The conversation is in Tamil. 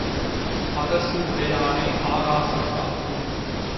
அரசு உடையானை ஆகாசம் காக்கும்.